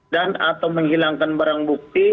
dan atau menghilangkan barang bukti